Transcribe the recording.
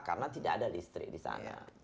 karena tidak ada listrik di sana